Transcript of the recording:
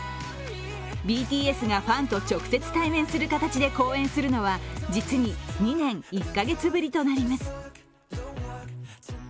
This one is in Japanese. ＢＴＳがファンと直接対面する形で公演するのは実に２年１カ月ぶりとなります。